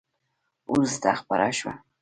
وروسته خپره شوه !